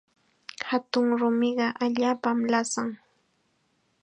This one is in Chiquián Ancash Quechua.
Hatun rumiqa allaapam lasan.